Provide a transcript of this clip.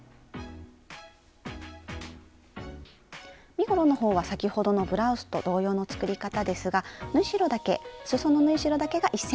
身ごろの方は先ほどのブラウスと同様の作り方ですが縫い代だけすその縫い代だけが１ｃｍになっています。